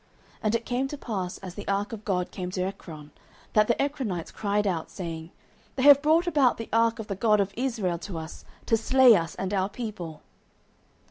And it came to pass, as the ark of God came to Ekron, that the Ekronites cried out, saying, They have brought about the ark of the God of Israel to us, to slay us and our people.